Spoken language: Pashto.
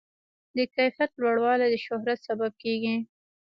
د کیفیت لوړوالی د شهرت سبب کېږي.